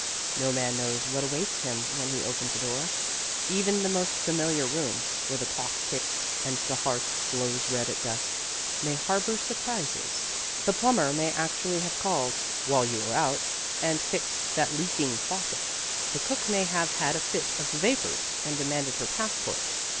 No man knows what awaits him when he opens a door. Even the most familiar room, where the clock ticks and the hearth glows red at dusk, may harbor surprises. The plumber may actually have called (while you were out) and fixed that leaking faucet. The cook may have had a fit of the vapors and demanded her passports.